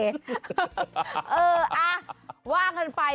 เอออะว่าขึ้นไป